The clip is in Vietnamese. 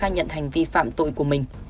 nhận hành vi phạm tội của mình